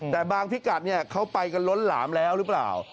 แต่บางพิกัดเขาไปกันล้นหลามแล้วหรือเปล่า